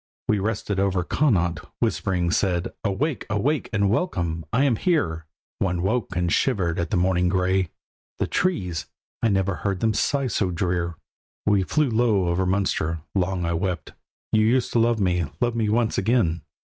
We rested over Connaught—whispering said: "Awake, awake, and welcome! I am here." One woke and shivered at the morning grey; "The trees, I never heard them sigh so drear." We flew low over Munster. Long I wept: "You used to love me, love me once again!"